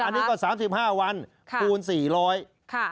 อันนี้ก็๓๕วันคูณ๔๐๐บาท